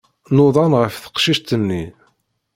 Nudan ɣef teqcict-nni.